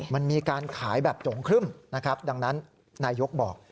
มันมีการขายแบบโด่งครึ่มดังนั้นนายกบอก